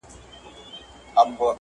• خو زموږ پر کلي د غمونو بارانونه اوري -